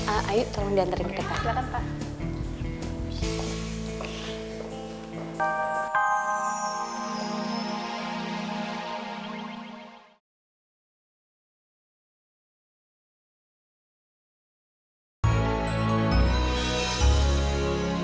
ayu tolong diantarin ke dekat